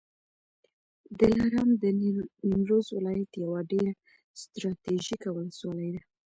دلارام د نیمروز ولایت یوه ډېره ستراتیژیکه ولسوالي ده